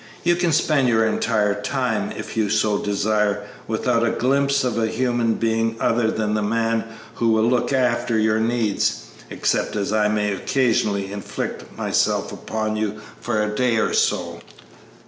"You can spend your entire time, if you so desire, without a glimpse of a human being other than the man who will look after your needs, except as I may occasionally inflict myself upon you for a day or so."